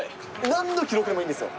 なんの記録でもいいんですよ。